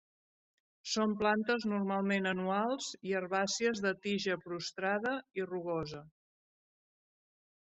Són plantes normalment anuals i herbàcies de tija prostrada i rugosa.